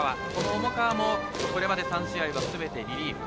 この重川もこれまで３試合すべてリリーフ。